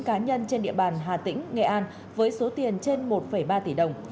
cá nhân trên địa bàn hà tĩnh nghệ an với số tiền trên một ba tỷ đồng